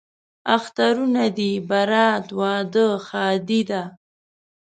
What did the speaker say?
اخترونه دي برات، واده، ښادي ده